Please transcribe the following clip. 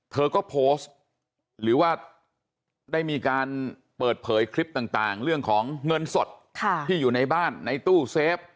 เธอก็โพสต์หรือว่าได้มีการเปิดเผยคลิปต่างเรื่องของเงินสดที่อยู่ในบ้านในตู้เซฟ